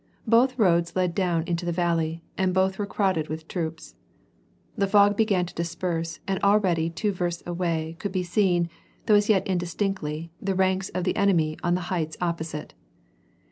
Both roads led down into the valley, and both were crowded with troops. The fog began to disperse and already, two versts away, could be seen, though as yet indistinctly, the ranks of the enemy on the heights opposite.